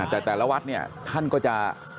แต่แต่ละวัดเนี่ยท่านก็จะ